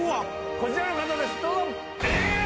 こちらの方です、どうぞ。